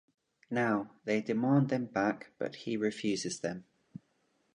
Now, they demand them back, but he refuses them.